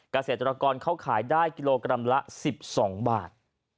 เกษตรกรเขาขายได้กิโลกรัมละ๑๒บาท